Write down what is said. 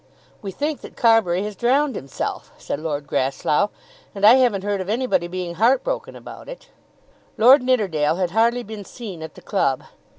"We think that Carbury has drowned himself," said Lord Grasslough, "and I haven't heard of anybody being heartbroken about it." Lord Nidderdale had hardly been seen at the club.